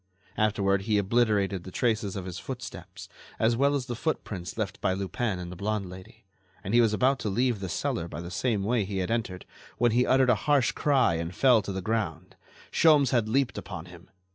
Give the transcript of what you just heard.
Afterward he obliterated the traces of his footsteps, as well as the footprints left by Lupin and the blonde lady, and he was about to leave the cellar by the same way as he had entered, when he uttered a harsh cry and fell to the ground. Sholmes had leaped upon him.